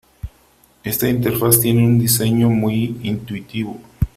Esta interfaz tiene un diseño muy intuitivo.